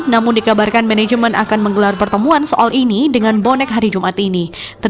namun dikabarkan manajemen akan menggelar pertemuan soal ini dengan bonek hari jumat ini